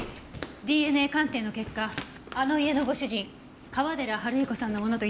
ＤＮＡ鑑定の結果あの家のご主人川寺治彦さんのものと一致しました。